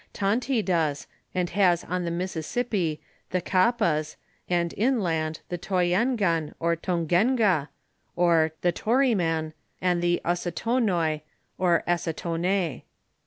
Tonty does, and has on the Mississippi the Kappas, and inland the Toy engan or Tongenga, the Torim.in, and the Osotonoy or Assotoue.